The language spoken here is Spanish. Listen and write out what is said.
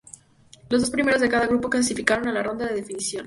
Los dos primeros de cada grupo clasificaron a la ronda de definición.